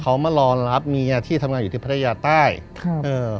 เขามารอรับเมียที่ทำงานอยู่ที่พัทยาใต้ครับเอ่อ